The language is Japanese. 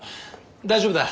大丈夫だ。